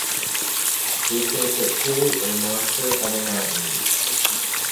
This makes it truly a monster of a mountain.